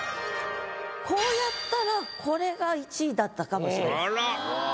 こうやったらこれが１位だったかもしれません。